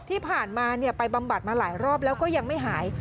ที่ผ่านมาไปบำบัดมาหลายรอบแล้วก็ยังไม่หาย